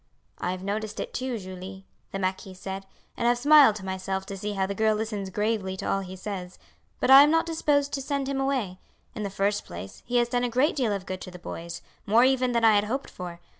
"I have noticed it too, Julie," the marquis said, "and have smiled to myself to see how the girl listens gravely to all he says, but I am not disposed to send him away. In the first place, he has done a great deal of good to the boys, more even than I had hoped for.